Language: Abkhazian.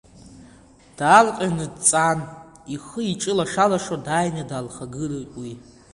Даалҟьаны дҵаан, ихы-иҿы лашалашо дааины даалхагылеит уи.